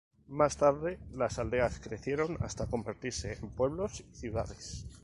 Más tarde, las aldeas crecieron hasta convertirse en pueblos y ciudades.